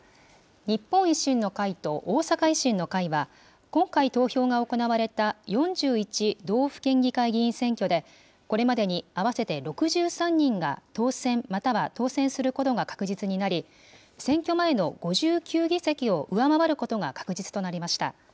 日本維新の会と大阪維新の会は、今回投票が行われた４１道府県議会議員選挙で、これまでに合わせて６３人が当選、または当選することが確実になり、選挙前の５９議席を上回ることが確実となりました。